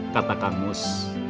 kata kang mus